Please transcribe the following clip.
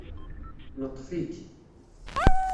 Neṭṭef-ik